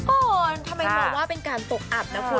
ทำไมมองว่าเป็นการตกอับนะคุณ